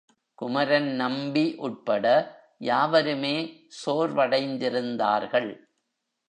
குமரன்நம்பி உட்பட யாவருமே சோர்வடைந்திருந்தார்கள்.